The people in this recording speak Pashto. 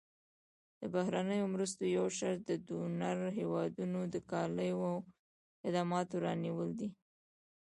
د بهرنیو مرستو یو شرط د ډونر هېوادونو د کالیو او خدماتو رانیول دي.